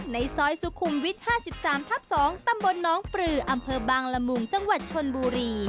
ในซอยสุขุมวิท๕๓ทับ๒ตำบลน้องปลืออำเภอบางละมุงจังหวัดชนบุรี